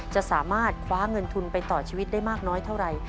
จะสามารถคว้าเงินทุนไปต่อชีวิตได้มากน้อยเท่าไหร่